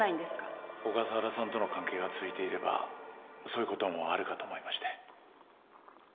小笠原さんとの関係が続いていればそういうこともあるかと思いまして。